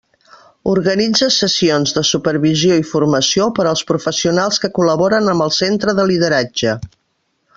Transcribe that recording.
Organitza sessions de supervisió i formació per als professionals que col·laboren amb el Centre de Lideratge.